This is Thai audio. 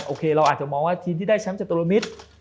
โอเคเราอาจจะมองว่าทีมที่ได้แชมป์จตุรมิตร